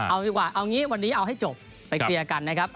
เอาดีกว่าเอางี้วันนี้เอาให้จบไปเคลียร์กันนะครับ